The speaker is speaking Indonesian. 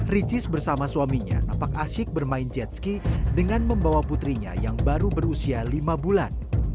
ricis bersama suaminya nampak asyik bermain jet ski dengan membawa putrinya yang baru berusia lima bulan